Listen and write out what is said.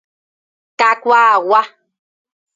Kakuaagua.